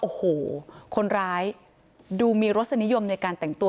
โอ้โหคนร้ายดูมีรสนิยมในการแต่งตัว